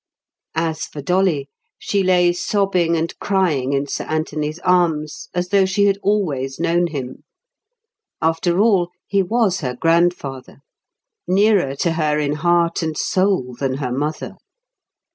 As for Dolly, she lay sobbing and crying in Sir Anthony's arms, as though she had always known him. After all, he was her grandfather. Nearer to her in heart and soul than her mother.